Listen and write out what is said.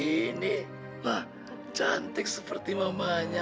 ini cantik seperti mamanya